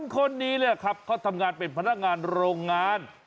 คนนี้เนี่ยครับเขาทำงานเป็นพนักงานโรงงาน